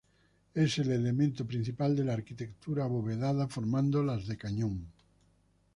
Es el elemento principal de la arquitectura abovedada, formando las de cañón.